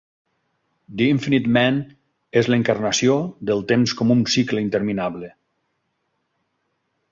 The Infinite Man és l'encarnació del temps com un cicle interminable.